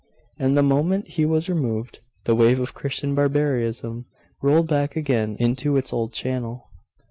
'And the moment he was removed, the wave of Christian barbarism rolled back again into its old channel.